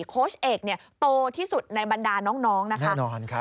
โค้ชเอกโตที่สุดในบรรดาน้องนะคะ